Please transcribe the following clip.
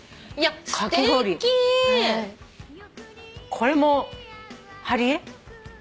これも貼り絵？